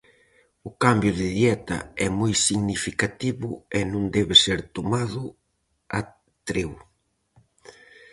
O cambio de dieta é moi significativo e non debe ser tomado a treo.